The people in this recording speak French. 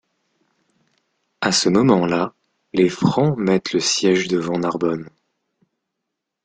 À ce moment-là les Francs mettent le siège devant Narbonne.